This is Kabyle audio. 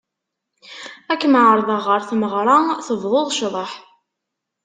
Ar kem-ɛeṛḍen ɣer tmeɣṛa, tebduḍ ccḍeḥ!